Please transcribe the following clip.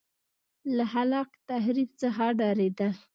له خلاق تخریب څخه ډارېدل.